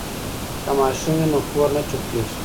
که ماشوم وي نو کور نه چوپ کیږي.